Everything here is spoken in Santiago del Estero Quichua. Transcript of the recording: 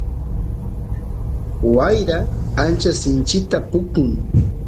wayra ancha sinchita pukun